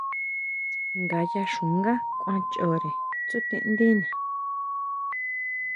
Ngayá xungá kuan choʼre tsútindina.